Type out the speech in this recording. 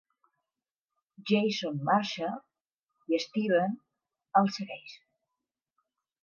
Jason marxa i Steven el segueix.